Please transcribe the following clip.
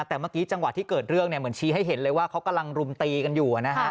แต่เมื่อกี้จังหวะที่เกิดเรื่องเหมือนชี้ให้เห็นเลยว่าเขากำลังรุมตีกันอยู่